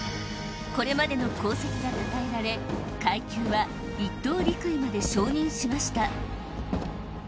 これまでの功績がたたえられ階級は一等陸尉まで昇任しました。